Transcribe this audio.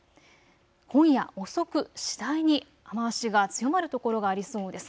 今夜遅く、次第に雨足が強まる所がありそうです。